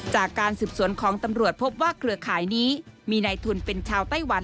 จากการสืบสวนของตำรวจพบว่าเครือข่ายนี้มีนายทุนเป็นชาวไต้หวัน